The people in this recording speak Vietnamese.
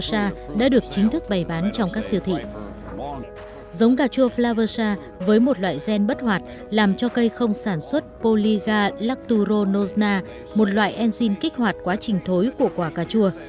giống cà chua flavosa với một loại gen bất hoạt làm cho cây không sản xuất polyga lacturo nozna một loại enzym kích hoạt quá trình thối của quả cà chua